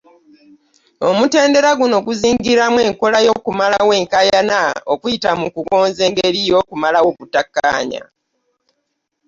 Omutendera guno guzingiramu enkola y'okumalawo enkayaana okuyita mu kugonza engeri y'okumalawo obutakkaanya.